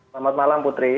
selamat malam putri